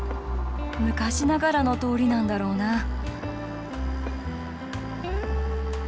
昔ながらの通りなんだろうな。